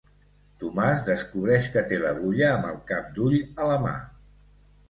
Tomàs descobreix que té l'agulla amb el cap d'ull a la mà.